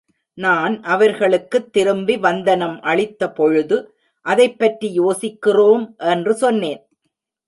நான் அவர்களுக்குத் திரும்பி வந்தனம் அளித்தபொழுது அதைப்பற்றி யோசிக்கிறோம் என்று சொன்னேன்.